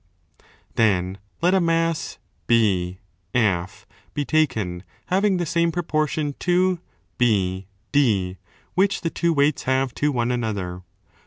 Then let a mass BF be taken having the same proportion to BD which the 20 two weights have to one another.